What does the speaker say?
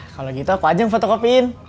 kalo gitu aku aja yang fotokopiin